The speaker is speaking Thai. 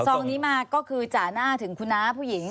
ซองนี้มาก็คือจ่าหน้าถึงคุณน้าผู้หญิง